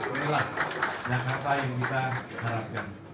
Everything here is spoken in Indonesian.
inilah jakarta yang kita harapkan